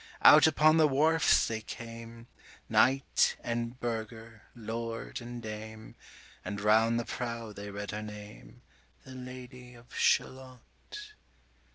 Out upon the wharfs they came, Knight and burgher, lord and dame, 160 And round the prow they read her name, The Lady of Shalott.